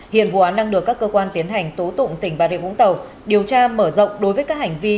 hiện vụ án đang được các cơ quan tiến hành tố tụng tỉnh bà rịa vũng tàu điều tra mở rộng đối với các hành vi